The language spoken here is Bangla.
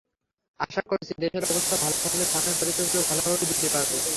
আশা করছি, দেশের অবস্থা ভালো থাকলে সামনের পরীক্ষাগুলো ভালোভাবেই দিতে পারব।